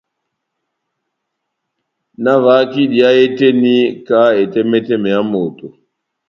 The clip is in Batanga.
Nahavahak' idiya ó hé tɛ́h eni ka etɛmɛtɛmɛ yá moto.